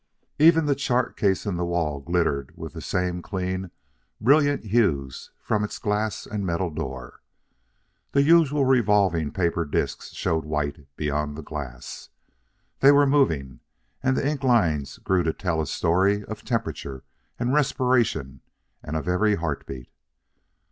Even the chart case in the wall glittered with the same clean, brilliant hues from its glass and metal door. The usual revolving paper disks showed white beyond the glass. They were moving; and the ink lines grew to tell a story of temperature and respiration and of every heart beat.